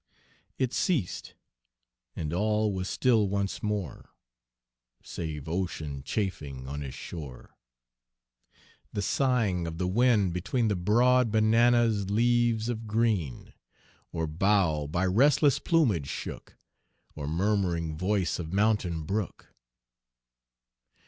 It ceased; and all was still once more, Save ocean chafing on his shore, The sighing of the wind between The broad banana's leaves of green, Or bough by restless plumage shook, Or murmuring voice of mountain brook.